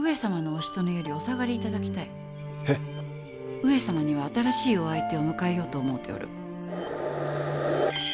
上様には新しいお相手を迎えようと思うておる。